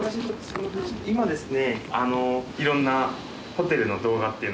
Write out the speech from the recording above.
今ですね。